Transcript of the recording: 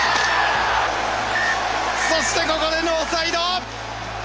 そしてここでノーサイド！